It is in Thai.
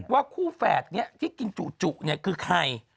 ว่าคู่แฝดนี้ที่กินจุคือใคร